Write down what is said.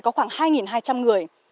có khoảng hai hai trăm linh người